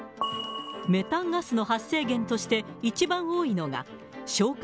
メタンガスの発生源として一番多いのが消化